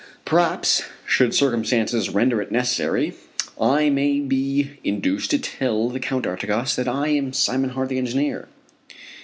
Perhaps should circumstances render it necessary I may be induced to tell the Count d'Artigas that I am Simon Hart, the engineer.